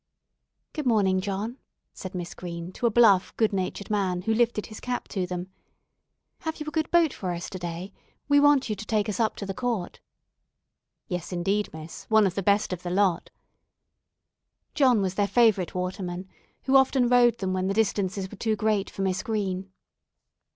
"Good morning, John," said Miss Green, to a bluff, good natured man who lifted his cap to them. "Have you a good boat for us to day? we want you to take us up to the Court." [Illustration: "IN A FEW MINUTES THEY HAD LANDED"] "Yes, indeed, miss, one of the best of the lot." John was their favourite waterman, who often rowed them when the distances were too great for Miss Green.